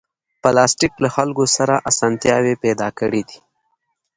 پلاستيک له خلکو سره اسانتیاوې پیدا کړې دي.